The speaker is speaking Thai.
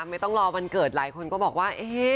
ไม่ต้องรอวันเกิดหลายคนก็บอกว่า